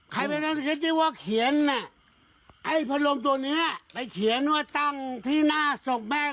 ใครไปเรียกว่าเขียนไอ้พระโรมตัวเนี้ยไปเขียนว่าตั้งที่หน้าส่งแม่